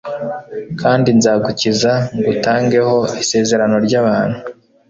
Kandi nzagukiza ngutangeho isezerano ry'abantu,